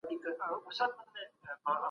لیکوالان بايد نوي ژبه او سبک استعمال کړي.